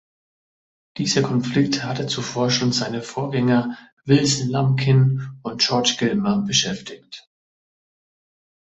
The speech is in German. Dieser Konflikt hatte zuvor schon seine Vorgänger Wilson Lumpkin und George Gilmer beschäftigt.